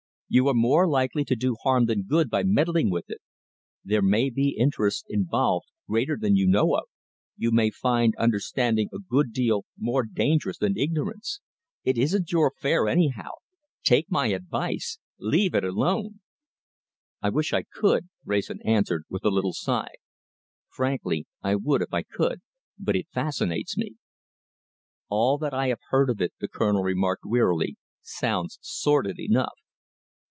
You are more likely to do harm than good by meddling with it. There may be interests involved greater than you know of; you may find understanding a good deal more dangerous than ignorance. It isn't your affair, anyhow. Take my advice! Let it alone!" "I wish I could," Wrayson answered, with a little sigh. "Frankly, I would if I could, but it fascinates me." "All that I have heard of it," the Colonel remarked wearily, "sounds sordid enough."